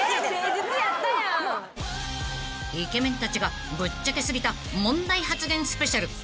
［イケメンたちがぶっちゃけ過ぎた問題発言スペシャル］